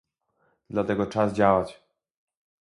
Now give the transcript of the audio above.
Dlatego czas działać